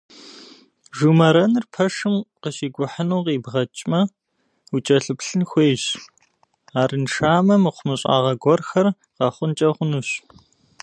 Жумэрэныр пэшым къыщикӏухьыну къибгъэкӏмэ, укӏэлъыплъын хуейщ, арыншамэ, мыхъумыщӏагъэ гуэрхэр къэхъункӏэ хъунущ.